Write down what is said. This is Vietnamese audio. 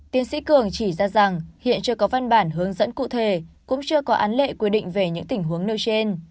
tiến sĩ cường chỉ ra rằng hiện chưa có văn bản hướng dẫn cụ thể cũng chưa có án lệ quy định về những tình huống nêu trên